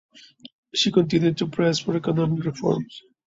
She continued to press for economic reforms.